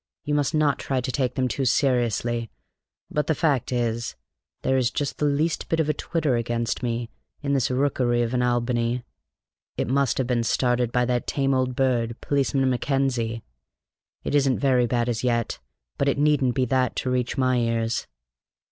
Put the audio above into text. You must not try to take them too seriously; but the fact is, there is just the least bit of a twitter against me in this rookery of an Albany. It must have been started by that tame old bird, Policeman Mackenzie; it isn't very bad as yet, but it needn't be that to reach my ears.